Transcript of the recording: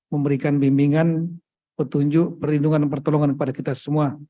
memberikan bimbingan petunjuk perlindungan dan pertolongan kepada kita semua